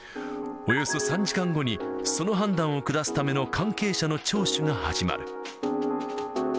およそ３時間後にその判断を下すための関係者の聴取が始まる。